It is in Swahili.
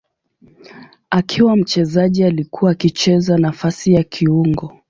Akiwa mchezaji alikuwa akicheza nafasi ya kiungo.